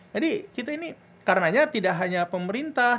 jadi kita ini karenanya tidak hanya pemerintah